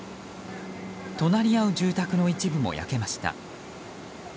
隣り合う住宅の一部も焼けました。